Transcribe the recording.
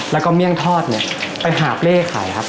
แล้วก็เมี่ยงทอดไปหาเปรี้ยขายครับ